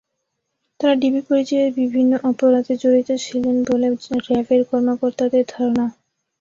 তাঁরা ডিবি পরিচয়ে বিভিন্ন অপরাধে জড়িত ছিলেন বলে র্যাবের কর্মকর্তাদের ধারণা।